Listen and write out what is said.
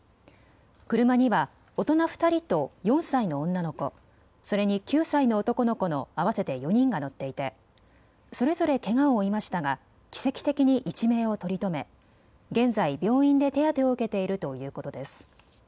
車には大人２人と４歳の女の子、それに９歳の男の子の合わせて４人が乗っていてそれぞれけがを負いましたが奇跡的に一命を取り留め、現在、病院で手当てを受けているということです。